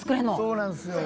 そうなんですよ。